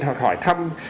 hoặc hỏi thăm